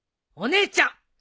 お姉ちゃん！